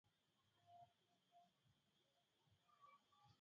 Uturuki ikawa nguvu kubwa zaidi ya kijeshi wakati